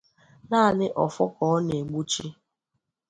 naanị ọfọ ka ọ na-egbuchi